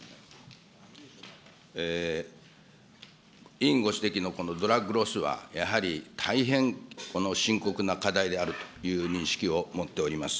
委員ご指摘のこのドラッグロスは、やはり大変、この深刻な課題であるという認識を持っております。